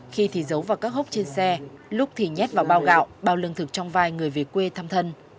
khi thì giấu vào các hốc trên xe lúc thì nhét vào bao gạo bao lương thực trong vai người về quê thăm thân